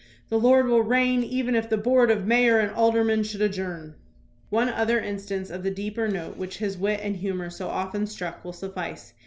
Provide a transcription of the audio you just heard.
The Lord will reign even if the board of mayor and aldermen should adjourn. One other instance of the deeper note which his wit and humor so often struck will sufl&ce.